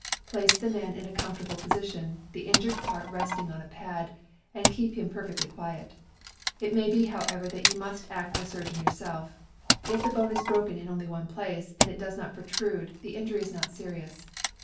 Place the man in a comfortable position, the injured part resting on a pad, and keep him perfectly quiet. It may be, however, that you must act the surgeon yourself. If the bone is broken in only one place, and it does not protrude, the injury is not serious.